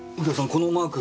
このマーク。